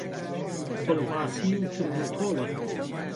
بڵباسی و توند و تۆڵن